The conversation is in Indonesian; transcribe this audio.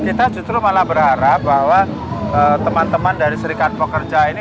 kita justru malah berharap bahwa teman teman dari serikat pekerja ini